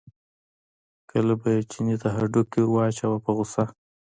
کله به یې چیني ته هډوکی ور واچاوه په غوسه.